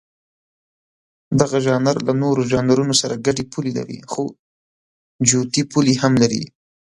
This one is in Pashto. دغه ژانر له نورو ژانرونو سره ګډې پولې لري، خو جوتې پولې هم لري.